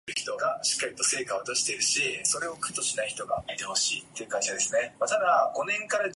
Live", he mentions how he "routinely sings off-key in the chorus.